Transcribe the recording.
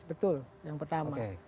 betul yang pertama